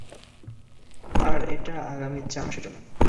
আর এটা আগামী চার মাসের জন্য।